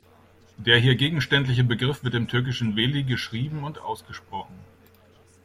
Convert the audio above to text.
Der hier gegenständliche Begriff wird im Türkischen "Veli" geschrieben und ausgesprochen.